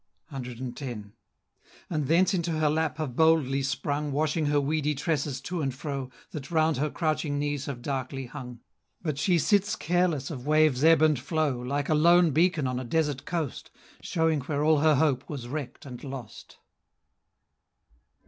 CX. And thence into her lap have boldly sprung, Washing her weedy tresses to and fro, That round her crouching knees have darkly hung; But she sits careless of waves' ebb and flow, Like a lone beacon on a desert coast, Showing where all her hope was wreck'd and lost.